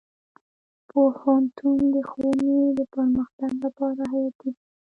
پوهنتون د ښوونې د پرمختګ لپاره حیاتي دی.